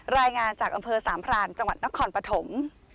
รายงานจากอำเภอสามพรานจังหวัดนครปฐม